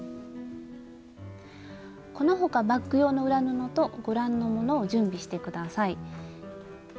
この他バッグ用の裏布とご覧のものを準備して下さい。